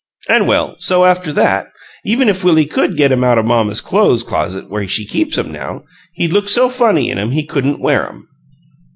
An' well, so after that, even if Willie could get 'em out o' mamma's clo'es closet where she keeps 'em now, he'd look so funny in 'em he couldn't wear 'em.